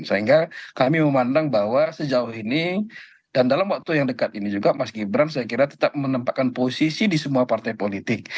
sehingga kami memandang bahwa sejauh ini dan dalam waktu yang dekat ini juga mas gibran saya kira tetap menempatkan posisi di semua partai politik